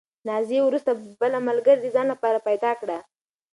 نازیې وروسته بله ملګرې د ځان لپاره پیدا کړه.